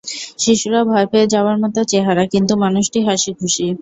শিশুরা ভয় পেয়ে যাবার মতো চেহারা, কিন্তু মানুষটি হাসিখুশি।